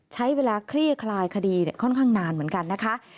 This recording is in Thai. ใช้เวลาคลี่คลายคดีค่อนข้างนานเหมือนกันนะคะ